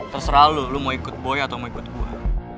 terserah lu lo mau ikut boy atau mau ikut gue